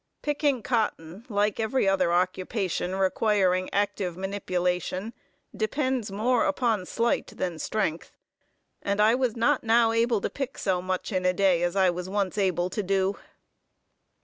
Picking cotton, like every other occupation requiring active manipulation, depends more upon sleight than strength, and I was not now able to pick so much in a day as I was once able to do.